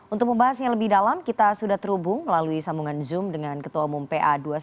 untuk membahasnya lebih dalam kita sudah terhubung melalui sambungan zoom dengan ketua umum pa dua ratus dua belas